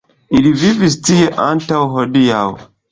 Ili vivis tie antaŭ hodiaŭ.